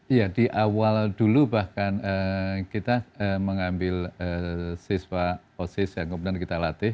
iya di awal dulu bahkan kita mengambil siswa osis yang kemudian kita latih